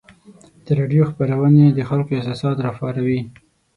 د راډیو خپرونې د خلکو احساسات راپاروي.